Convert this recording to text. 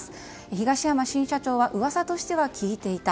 東山新社長は噂としては聞いていた。